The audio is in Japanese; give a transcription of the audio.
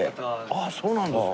ああそうなんですか！